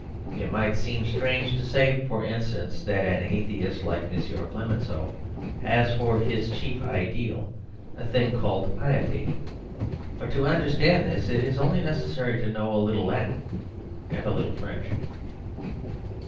It might seem strange to say, for instance, that an atheist like M. Clemenceau has for his chief ideal a thing called piety. But to understand this it is only necessary to know a little Latin — and a little French.